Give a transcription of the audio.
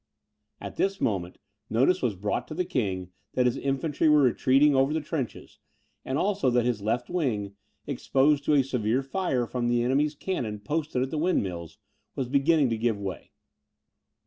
At this moment notice was brought the king, that his infantry were retreating over the trenches, and also that his left wing, exposed to a severe fire from the enemy's cannon posted at the windmills was beginning to give way.